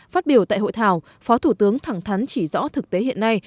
phát biểu tại hội thảo phó thủ tướng thẳng thắn chỉ rõ thực tế hiện nay